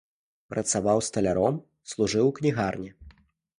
Працаваў сталяром, служыў у кнігарні.